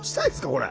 これ。